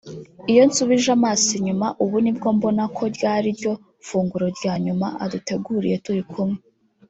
Iyo nsubije amaso inyuma ubu ni bwo mbona ko ryari ryo funguro rya nyuma aduteguriye turi kumwe